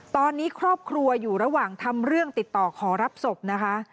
ตอนนี้ครอบครัวอยู่ระหว่างทำเรื่องติดต่อขอรับศพนะคะ